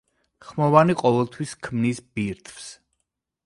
ხმოვანი ყოველთვის ქმნის ბირთვს.